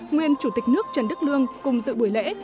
nguyên chủ tịch nước trần đức lương cùng dự buổi lễ